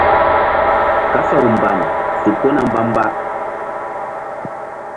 Kasaw mbam su kona mbamba asaw.